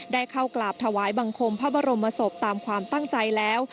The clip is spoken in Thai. ได้เข้ากราบถวายบังคมพระบรมศพตามความตั้งใจแล้ว